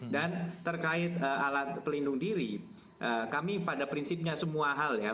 dan terkait alat pelindung diri kami pada prinsipnya semua hal ya